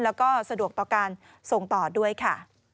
แล้วก็สะดวกต่อการส่งต่อด้วยค่ะ